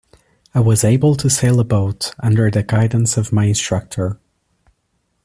I was able to sail a boat, under the guidance of my instructor.